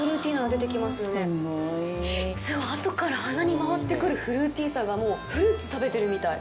あとから鼻に回ってくるフルーティーさが、もうフルーツを食べてるみたい！